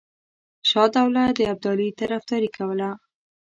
شجاع الدوله د ابدالي طرفداري کوله.